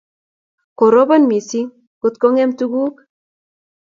Koropon missing' ngot kong'em tuguk tugul.